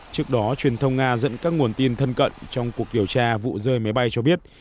trước đó truyền thông nga dẫn các nguồn tin thân cận trong cuộc điều tra vụ rơi máy bay cho biết